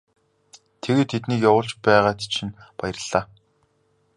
Тэгээд тэднийг явуулж байгаад чинь баярлалаа.